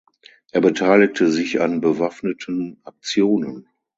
Er beteiligte sich an bewaffneten Aktionen.